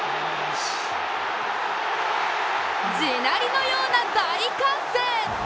地鳴りのような大歓声！